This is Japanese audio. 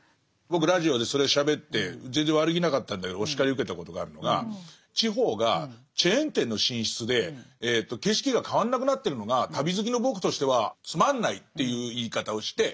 僕ラジオでそれをしゃべって全然悪気なかったんだけどお叱り受けたことがあるのが地方がチェーン店の進出で景色が変わんなくなってるのが旅好きの僕としてはつまんないっていう言い方をして。